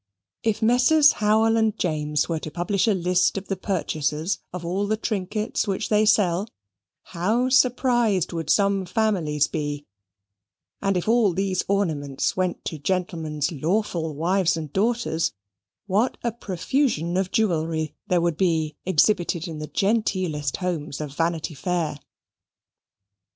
If Messrs. Howell and James were to publish a list of the purchasers of all the trinkets which they sell, how surprised would some families be: and if all these ornaments went to gentlemen's lawful wives and daughters, what a profusion of jewellery there would be exhibited in the genteelest homes of Vanity Fair!